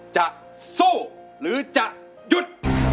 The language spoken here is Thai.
จะสู้หรือจะหยุด